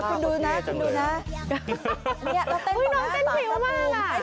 น้องเต้นเต้นเต้นมาก